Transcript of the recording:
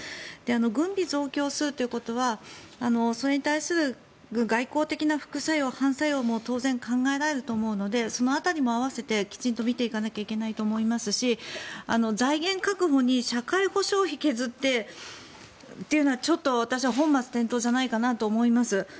軍備を増強することはそれに対する外交的な副作用反作用も当然考えられると思うのでその辺りも併せてきちんと見ていかないといけないと思いますし財源確保に社会保障費を削ってというのは私は本末転倒ではと思います。